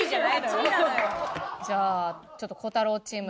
じゃあちょっとコタローチーム。